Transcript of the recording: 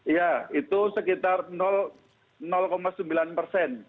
ya itu sekitar sembilan persen